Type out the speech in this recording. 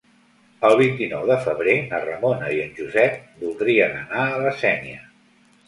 El vint-i-nou de febrer na Ramona i en Josep voldrien anar a la Sénia.